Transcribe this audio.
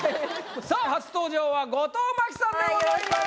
さあ初登場は後藤真希さんでございます。